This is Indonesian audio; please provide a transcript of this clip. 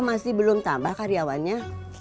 masih belum tambah karyawannya